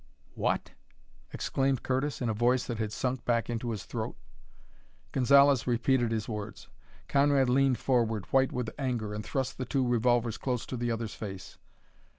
"What!" exclaimed Curtis, in a voice that had sunk back into his throat. Gonzalez repeated his words. Conrad leaned forward, white with anger, and thrust the two revolvers close to the other's face.